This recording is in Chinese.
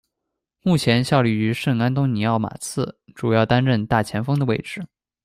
目前效力于圣安东尼奥马刺，主要担任大前锋的位置。